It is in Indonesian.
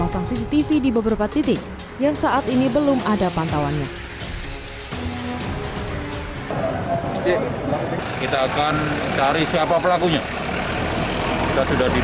siti yang saat ini belum ada pantauannya oke kita akan mencari siapa pelakunya karena sudahdip